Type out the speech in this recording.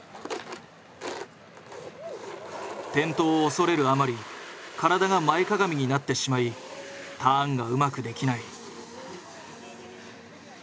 転倒を恐れるあまり体が前かがみになってしまいターンがうまくできない。